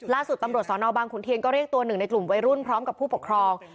ล่าสุดตำรวจสนบางขุนเทียนก็เรียกตัวหนึ่งในกลุ่มวัยรุ่นพร้อมกับผู้ปกครอง